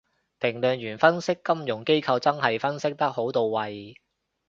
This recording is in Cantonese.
評論員分析金融機構真係分析得好到位